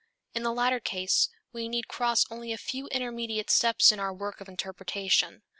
In the latter case we need cross only a few intermediate steps in our work of interpretation.